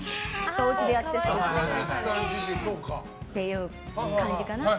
おうちでやってそうっていう感じかな。